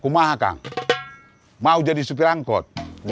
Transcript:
mau jadi supir angkot